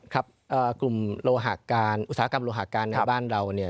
ครับกลุ่มโลหะการอุตสาหกรรมโลหะการในบ้านเราเนี่ย